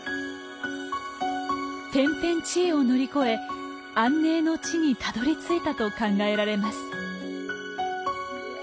天変地異を乗り越え安寧の地にたどりついたと考えられます。